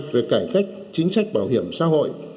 về cải cách chính sách bảo hiểm xã hội